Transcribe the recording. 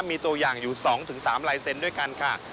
มีตัวอย่างอยู่๒๓ลายเซ็นต์ด้วยกันค่ะ